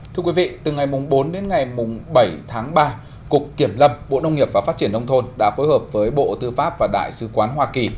thưa quý vị từ ngày bốn đến ngày bảy tháng ba cục kiểm lâm bộ nông nghiệp và phát triển nông thôn đã phối hợp với bộ tư pháp và đại sứ quán hoa kỳ